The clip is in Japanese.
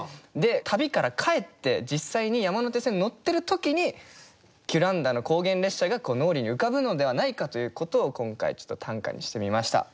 旅から帰って実際に山手線に乗ってる時にキュランダの高原列車が脳裏に浮かぶのではないかということを今回ちょっと短歌にしてみました。